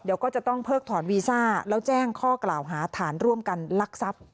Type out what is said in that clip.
เดี๋ยวก็จะต้องเพิกถอนวีซ่าแล้วแจ้งข้อกล่าวหาฐานร่วมกันลักทรัพย์